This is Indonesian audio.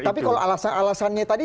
tapi kalau alasannya tadi